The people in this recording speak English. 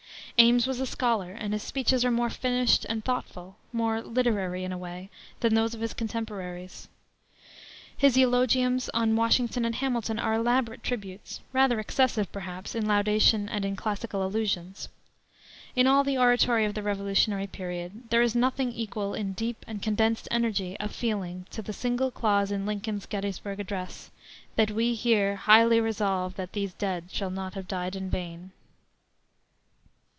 Ames was a scholar, and his speeches are more finished and thoughtful, more literary, in a way, than those of his contemporaries. His eulogiums on Washington and Hamilton are elaborate tributes, rather excessive, perhaps, in laudation and in classical allusions. In all the oratory of the revolutionary period there is nothing equal in deep and condensed energy of feeling to the single clause in Lincoln's Gettysburg Address, "that we here highly resolve that these dead shall not have died in vain."